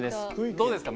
どうですか？